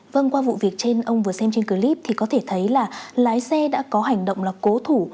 vâng qua vụ việc trên ông vừa xem trên clip thì có thể thấy là lái xe đã có hành động là cố thủ